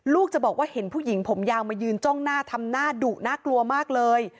จะบอกว่าเห็นผู้หญิงผมยาวมายืนจ้องหน้าทำหน้าดุน่ากลัวมากเลย